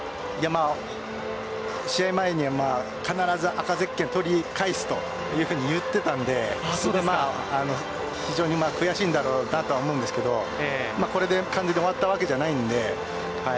試合前に、必ず赤ゼッケンを取り返すというふうに言っていたので非常に悔しいんだろうなと思いますがこれで終わったわけじゃないので。